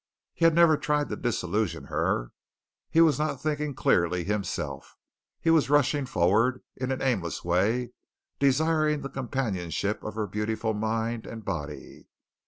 He had never tried to disillusion her. He was not thinking clearly himself. He was rushing forward in an aimless way, desiring the companionship of her beautiful mind and body.